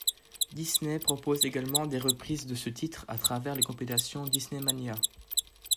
Disney proposa également des reprises de ce titre à travers les compilations DisneyMania.